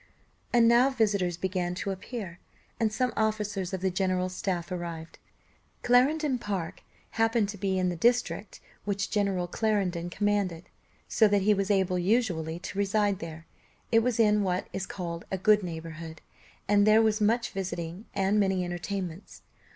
And now visitors began to appear, and some officers of the general's staff arrived. Clarendon Park happened to be in the district which General Clarendon commanded, so that he was able usually to reside there. It was in what is called a good neighbourhood, and there was much visiting, and many entertainments.